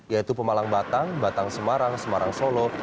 yaitu pemalang batang batang semarang semarang solo